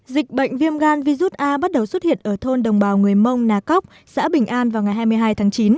dịch bệnh viêm gan virus a bắt đầu xuất hiện ở thôn đồng bào người mông nà cóc xã bình an vào ngày hai mươi hai tháng chín